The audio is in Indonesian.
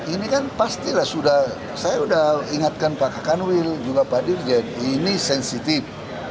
ini kan pastilah sudah saya sudah ingatkan pak kakanwil juga pak dirjen ini sensitif